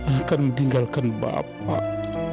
akan meninggalkan bapak